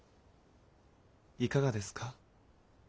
いかがですか。